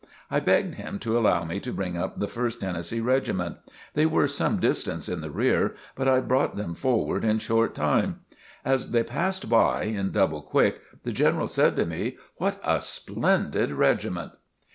I begged him to allow me to bring up the First Tennessee regiment. They were some distance in the rear, but I brought them forward in short time. As they passed by in double quick, the General said to me: "What a splendid regiment!"